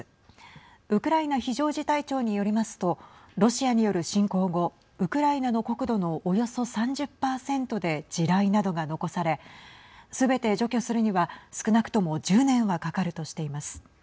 ウクライナ非常事態庁によりますとロシアによる侵攻後ウクライナの国土のおよそ３０％で地雷などが残されすべて除去するには少なくとも１０年はかかるとしています。